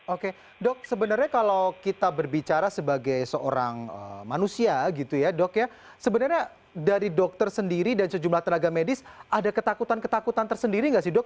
oke dok sebenarnya kalau kita berbicara sebagai seorang manusia gitu ya dok ya sebenarnya dari dokter sendiri dan sejumlah tenaga medis ada ketakutan ketakutan tersendiri nggak sih dok